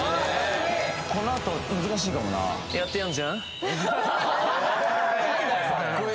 このあと難しいかもなかっこ